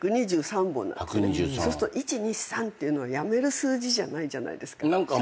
そうすると「１２３」っていうの辞める数字じゃないじゃないですか。